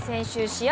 試合